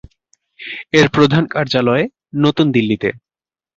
এর প্রধান কার্যালয় নতুন দিল্লিতে।